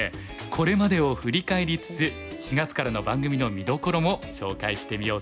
これまでを振り返りつつ４月からの番組の見どころも紹介してみようと思います。